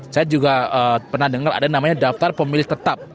saya juga pernah dengar ada namanya daftar pemilih tetap